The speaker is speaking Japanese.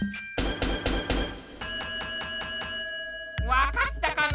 わかったかな？